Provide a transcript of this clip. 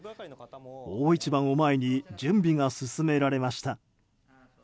大一番を前に準備が進められました。